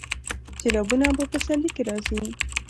سیلابونه په پسرلي کې راځي